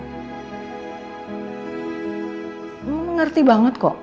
kamu mengerti banget kok